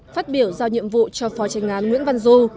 phát biểu giao nhiệm vụ cho phó tranh án nguyễn văn du